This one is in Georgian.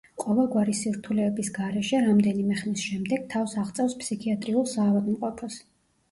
ყოველგვარი სირთულეების გარეშე რამდენიმე ხნის შემდეგ, თავს აღწევს ფსიქიატრიულ საავადმყოფოს.